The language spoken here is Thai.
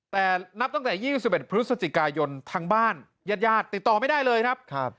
แต่นับตั้งแต่๒๑พฤศจิกายนทางบ้านญาติติดต่อไม่ได้เลยครับ